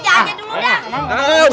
jahatnya dulu dah